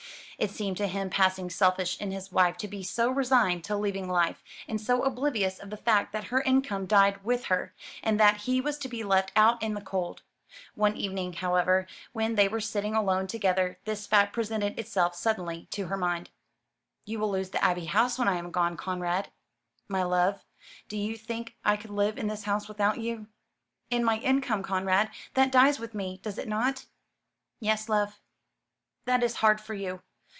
It seemed to him passing selfish in his wife to be so resigned to leaving life, and so oblivious of the fact that her income died with her, and that he was to be left out in the cold. One evening, however, when they were sitting alone together, this fact presented itself suddenly to her mind. "You will lose the Abbey House when I am gone, Conrad." "My love, do you think I could live in this house without you?" "And my income, Conrad; that dies with me, does it not?" "Yes, love." "That is hard for you."